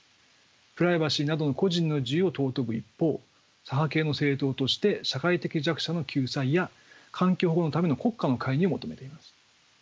プライバシーなどの個人の自由を尊ぶ一方左派系の政党として社会的弱者の救済や環境保護のための国家の介入を求めています。